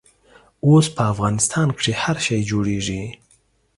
اوس په افغانستان کښې هر شی جوړېږي.